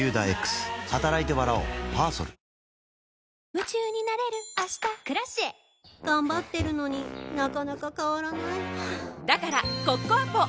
夢中になれる明日「Ｋｒａｃｉｅ」頑張ってるのになかなか変わらないはぁだからコッコアポ！